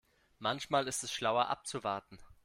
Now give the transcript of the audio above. Manchmal ist es schlauer abzuwarten.